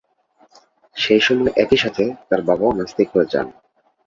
সেইসময় একইসাথে তার বাবাও নাস্তিক হয়ে যান।